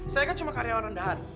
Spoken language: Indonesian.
saya kan cuma karyawan rendahan